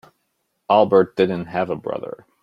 Albert didn't have a brother.